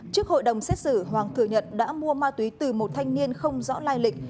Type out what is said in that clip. trước hội đồng xét xử hoàng thừa nhận đã mua ma túy từ một thanh niên không rõ lai lịch